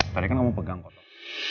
tadi kan kamu pegang kotok